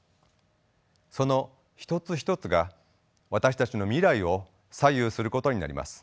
その一つ一つが私たちの未来を左右することになります。